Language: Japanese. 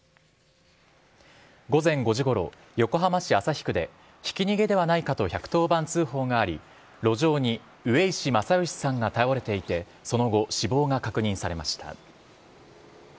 午前５時ごろ、横浜市旭区で、ひき逃げではないかと１１０番通報があり、路上に上石正義さんが倒れていて、その後、死亡が確認されました。